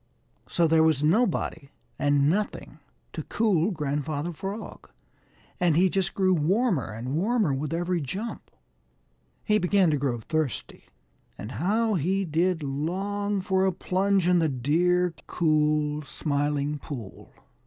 So there was nobody and nothing to cool Grandfather Frog, and he just grew warmer and warmer with every jump. He began to grow thirsty, and how he did long for a plunge in the dear, cool Smiling Pool!